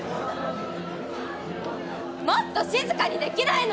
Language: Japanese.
もっと静かにできないの！？